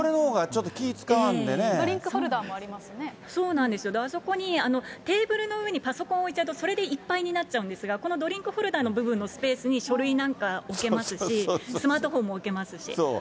ドリンクホルダーもありますそうなんですよ、あそこにテーブルにパソコンを置いちゃうと、それでいっぱいになっちゃうんですが、このドリンクホルダーの部分のスペースに書類なんか置けますし、スマートフォンも置けますし。